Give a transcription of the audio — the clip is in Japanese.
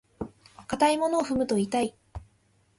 硬いものを踏むと痛い。